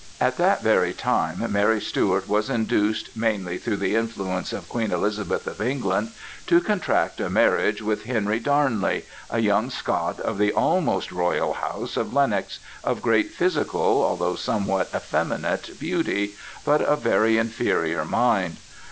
At that very time Mary Stuart was induced, mainly through the influence of Queen Elizabeth of England, to contract a marriage with Henry Darnley, a young Scot of the almost royal house of Lennox, of great physical, although somewhat effeminate, beauty, but of very inferior mind.